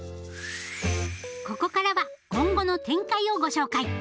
ここからは今後の展開をご紹介！